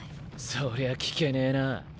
そりゃ聞けねぇなあ。